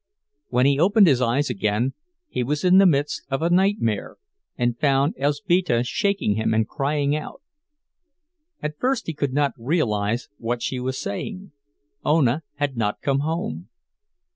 When he opened his eyes again he was in the midst of a nightmare, and found Elzbieta shaking him and crying out. At first he could not realize what she was saying—Ona had not come home.